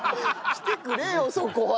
来てくれよそこは。